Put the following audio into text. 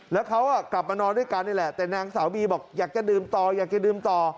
แล้วเขากลับมานอนด้วยกันนี่แหละแต่นางสาวบีบอกอยากจะดื่มต่ออยากจะดื่มต่อ